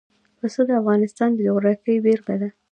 پسه د افغانستان د جغرافیې بېلګه ده.